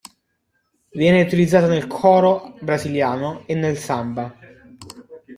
Viene utilizzata nel "choro" brasiliano e nel samba.